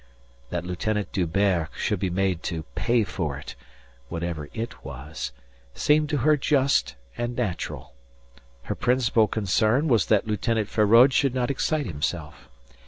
That Lieutenant D'Hubert should be made to "pay for it," whatever it was, seemed to her just and natural. Her principal concern was that Lieutenant Feraud should not excite himself.